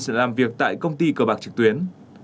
sẽ làm việc tại công ty cờ bạc trực tuyến